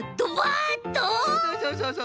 そうそうそうそう。